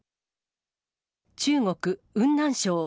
中国・雲南省。